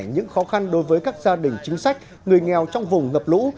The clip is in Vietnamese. những khó khăn đối với các gia đình chính sách người nghèo trong vùng ngập lũ